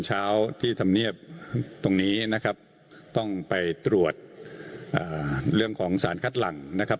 เช้าที่ธรรมเนียบตรงนี้นะครับต้องไปตรวจเรื่องของสารคัดหลังนะครับ